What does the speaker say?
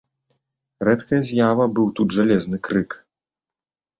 Рэдкая з'ява быў тут жалезны крык.